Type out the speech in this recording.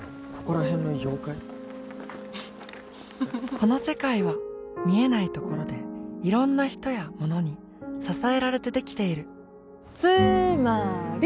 この世界は見えないところでいろんな人やものに支えられてできているつーまーり！